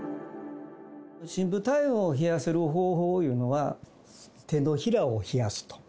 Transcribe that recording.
深部体温を冷やせる方法いうのは、手のひらを冷やすと。